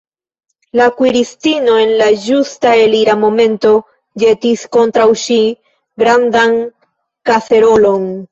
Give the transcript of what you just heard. La kuiristino en la ĝusta elira momento ĵetis kontraŭ ŝi grandan kaserolon.